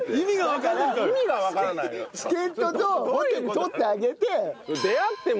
チケットとホテル取ってあげて。